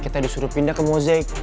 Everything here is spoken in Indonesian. tadinya disuruh pindah ke mozek